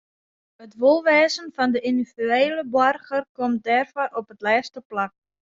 It wolwêzen fan de yndividuele boarger komt dêrby op it lêste plak.